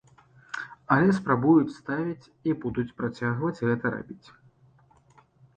Але спрабуюць ставіць і будуць працягваць гэта рабіць.